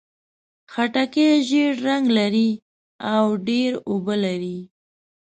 خټکی ژېړ رنګ لري او ډېر اوبه لري.